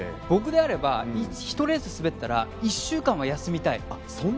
僕であれば１レース滑ったら１週間は休みたい。